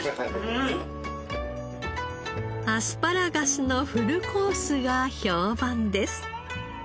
アスパラガスのフルコースが評判です。